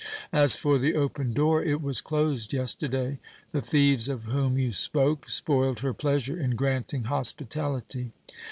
As for the open door, it was closed yesterday. The thieves of whom you spoke spoiled her pleasure in granting hospitality.